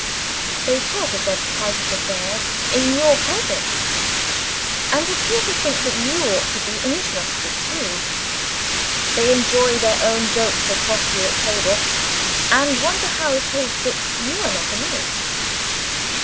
They talk of their private affairs, in your presence and appear to think that you ought to be interested too. They enjoy their own jokes across you at table and wonder how it is that you are not amused.